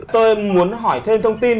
tôi muốn hỏi thêm thông tin